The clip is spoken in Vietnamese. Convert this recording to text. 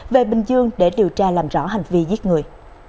về bình dương để điều tra làm rõ hành vi giết người